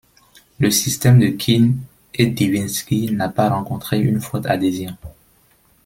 Le système de Keene et Divinsky n'a pas rencontré une forte adhésion.